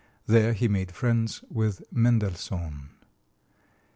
There he made friends with Mendelssohn.